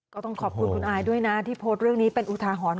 ก็ต้องขอบคุณคุณอายด้วยนะที่โพสต์เรื่องนี้เป็นอุทาหรณ์